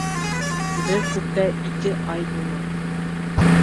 Бер күктә ике ай булмай